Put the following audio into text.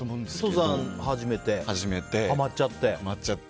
登山を始めてはまっちゃって。